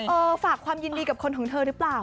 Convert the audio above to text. ฝากความยินดีกับคนของเธอหรือเปล่า